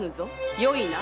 よいな。